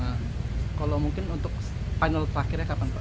nah kalau mungkin untuk final terakhirnya kapan pak